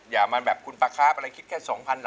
อย่ามาแบบคุณประองค์ครับอะไรกินแค่๒๐๐๐๓๐๐๐